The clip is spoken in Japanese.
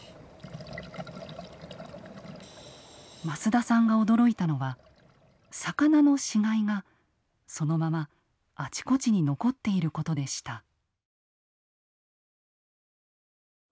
益田さんが驚いたのは魚の死骸がそのままあちこちに残っていることでした。